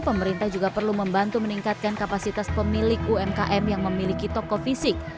pemerintah juga perlu membantu meningkatkan kapasitas pemilik umkm yang memiliki toko fisik